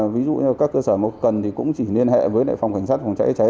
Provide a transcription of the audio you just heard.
ví dụ như các cơ sở mâu cần thì cũng chỉ liên hệ với phòng cảnh sát phòng cháy cháy